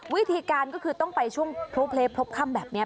วิธีการก็คือต้องไปช่วงพลุเพลพบค่ำแบบนี้